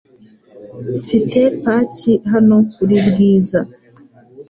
Mfite paki hano kuri Bwiza .